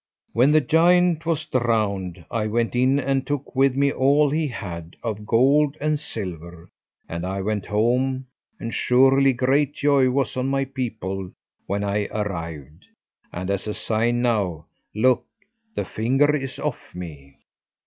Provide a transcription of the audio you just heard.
"When the giant was drowned I went in, and I took with me all he had of gold and silver, and I went home, and surely great joy was on my people when I arrived. And as a sign now look, the finger is off me."